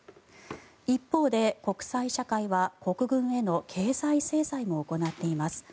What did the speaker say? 一方で、国際社会は国軍への経済制裁も行っています。